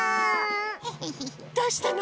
どうしたの？